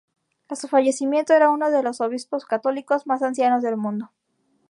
A su fallecimiento era uno de los obispos católicos más ancianos del mundo.